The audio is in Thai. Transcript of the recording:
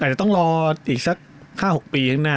แต่จะต้องรออีกสัก๕๖ปีข้างหน้า